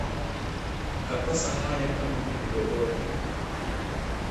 Kakosa haya kama kuku; Jogoo